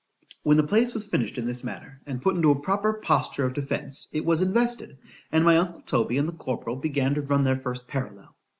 When the place was finished in this manner, and put into a proper posture of defence,—it was invested,—and my uncle Toby and the corporal began to run their first parallel.